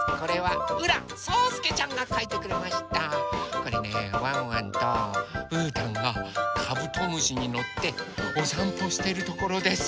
これねワンワンとうーたんがカブトムシにのっておさんぽしてるところです。